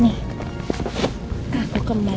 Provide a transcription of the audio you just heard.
tapi kan ini bukan arah rumah